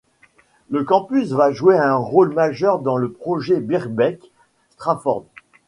Le campus va jouer un rôle majeur dans le projet Birkbeck Stratford.